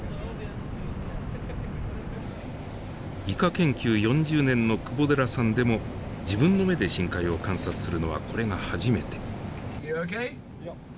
イカ研究４０年の窪寺さんでも自分の目で深海を観察するのはこれが初めて。